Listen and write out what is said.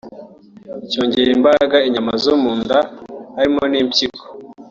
cyongerera imbaraga inyama zo mu nda harimo n’impyiko